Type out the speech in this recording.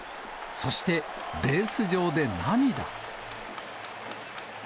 そして、ベース上で涙。